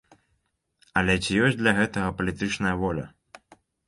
Але ці ёсць для гэтага палітычная воля?